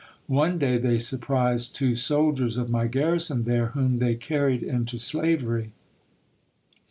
One day they surprised two soldiers of my garrison there, whom they carried into slavery.